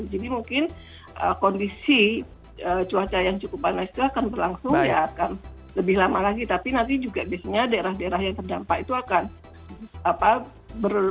jadi mungkin kondisi cuaca yang cukup panas itu akan berlangsung lebih lama lagi tapi nanti juga biasanya daerah daerah yang terdampak itu akan berubah bergembir